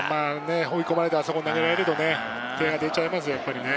追い込まれてあそこに投げられるとね、手が出ちゃいますよ、やっぱりね。